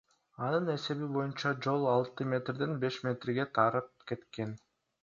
Анын эсеби боюнча, жол алты метрден беш метрге тарып кеткен.